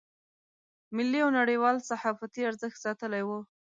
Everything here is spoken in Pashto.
ملي او نړیوال صحافتي ارزښت ساتلی و.